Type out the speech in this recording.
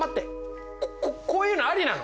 こここういうのありなの？